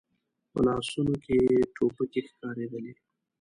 په لاسونو کې يې ټوپکې ښکارېدلې.